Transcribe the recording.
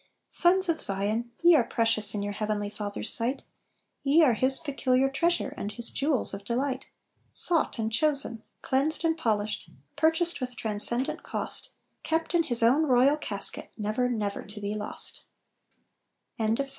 "Sons of Zion, ye are precious In your heavenly Father's sight; Ye are His peculiar treasure, And His jewels of delight "Sought and chosen, cleansed and polished, Purchased with transcendent cost, Kept in His own royal casket, Never, never to be lost."